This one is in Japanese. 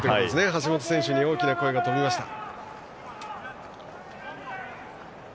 橋本選手に大きな声が飛びました。